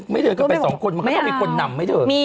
ไม่เดินกันไปสองคนมันต้องมีคนนำไว้เดิน